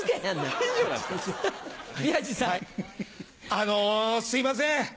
あのすいません